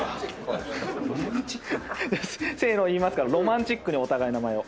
せーのを言いますからロマンチックにお互いの名前を。